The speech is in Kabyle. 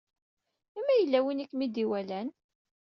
I ma yella win i kem-id-iwalan?